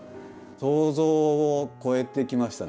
想像を超えてきましたね。